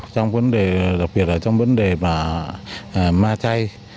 trong vấn đề đặc biệt là trong vấn đề mà ma chay